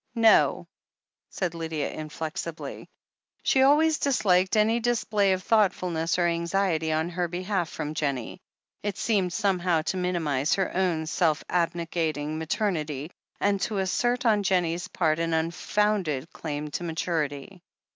'No," said Lydia inflexibly. She always disliked any display of thoughtfulness or anxiety on her behalf from Jennie. It seemed somehow to minimize her own self abnegating maternity, and to assert on Jennie's part an unfounded claim to maturity.